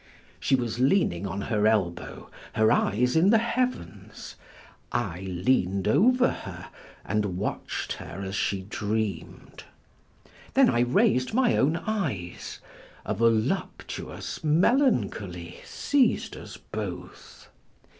She was leaning on her elbow, her eyes in the heavens; I leaned over her and watched her as she dreamed. Then I raised my own eyes; a voluptuous melancholy seized us both.